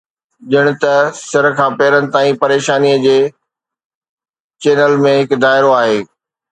ڄڻ ته سر کان پيرن تائين پريشانيءَ جي چينل ۾ هڪ دائرو آهي